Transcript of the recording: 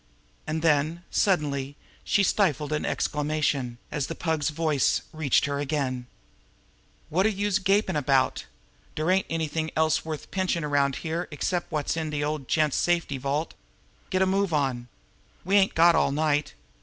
And then, suddenly, she stifled an exclamation, as the Pug's voice reached her again: "Wot are youse gapin' about? Dere ain't anything else worth pinchin' around here except wot's in de old gent's safety vault. Get a move on! We ain't got all night!